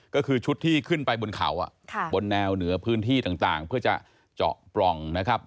ก็คือชุดที่ขึ้นไปบนเขาบนแนวเหนือพื้นที่ต่างเพื่อจะเจาะปล่องนะครับ